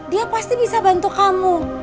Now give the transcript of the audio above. dia pasti bisa bantu kamu